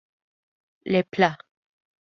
Le Pla